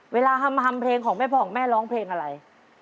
เวลาฮัมเพลงของแม่ผ่องแม่ร้องเพลงอะไร